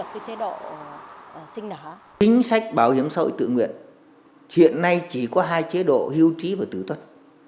kinh sách bảo hiểm xã hội tự nguyện hiện nay chỉ có hai chế độ hưu trí và tử tuất